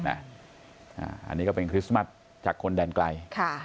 อันนี้ก็เป็นคริสต์มัสจากคนแดนไกล